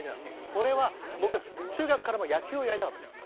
これは僕は中学からも野球をやりたかったんです。